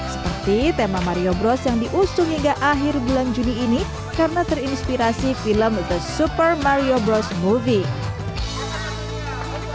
seperti tema mario bros yang diusung hingga akhir bulan juni ini karena terinspirasi film the super mario bross movie